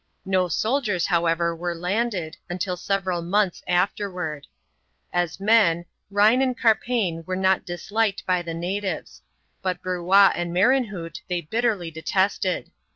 No soldiers, however, were landed, until several months afterward. As men, Heine and Carpegne were not disliked by the natives ; but Bruat and Merenhout they latterly detested.